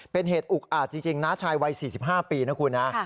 เป็นเหตุอุกอาจจริงน้าชายวัย๔๕ปีนะคุณนะ